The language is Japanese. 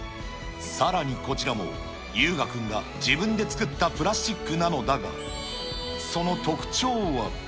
さらにこちらも、悠雅君が自分で作ったプラスチックなのだが、その特徴は。